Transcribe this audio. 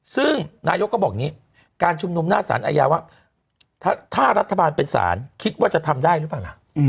ซึ่งนายก็บอกนี้การชุมนุมหน้าศาลอายาวะถ้ารัฐบาลเป็นศาลคิดว่าจะทำได้หรือไม่